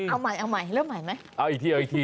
เอาใหม่เอาใหม่เล่าใหม่ไหมเอาอีกทีเอาอีกทีเอาอีกที